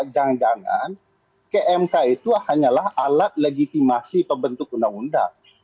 jangan jangan ke mk itu hanyalah alat legitimasi pembentuk undang undang